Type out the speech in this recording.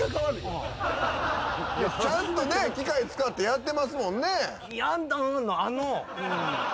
ちゃんと機械使ってやってますもんね。